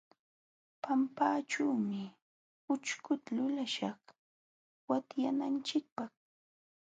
Pampaćhuumi ućhkuta lulaśhaq watyananchikpaq.